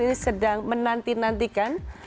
ini sedang menantikan